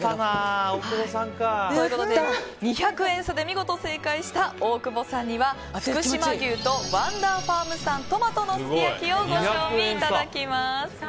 ２００円差で見事正解した大久保さんには福島牛×ワンダーファーム産トマトのすき焼きをご賞味いただきます。